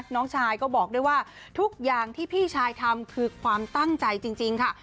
น้องชายก็บอกด้วยว่าทุกอย่างที่พี่ชายทำคือความตั้งใจจริงค่ะ